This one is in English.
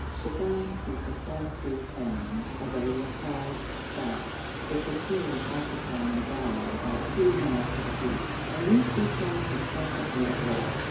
Shibahm is the frontier town of the Yafei tribe, the Kattiri occupying the valley about two miles to the east, and these two tribes are constantly at war.